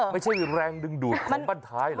ไม่ใช่แรงดึงดูดของบ้านท้ายนะ